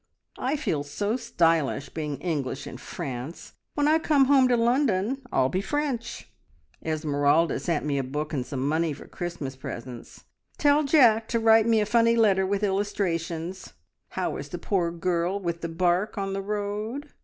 I feel so stylish being English in France. When I come home to London, I'll be French! "`Esmeralda sent me a book and some money for Christmas presents. Tell Jack to write me a funny letter with illustrations. How is the poor girl with the bark on the road?